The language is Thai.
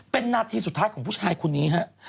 เป็นนาทีสุดท้ายของผู้ชายคนนี้ฮะ